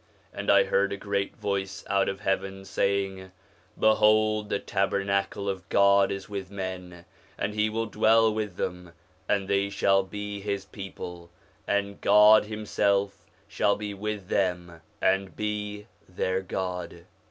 And I heard a great voice out of heaven saying, Behold the tabernacle of God is with men, and He will dwell with them, and they shall be His people, and God Himself shall be with them and be their God.'